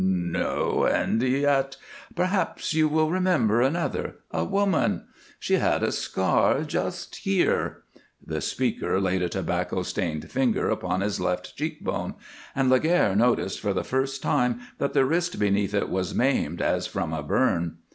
"N no, and yet " "Perhaps you will remember another a woman. She had a scar, just here." The speaker laid a tobacco stained finger upon his left cheek bone, and Laguerre noticed for the first time that the wrist beneath it was maimed as from a burn.